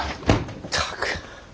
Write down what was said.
ったく。